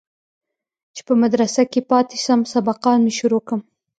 چې په مدرسه كښې پاته سم سبقان مې شروع كم.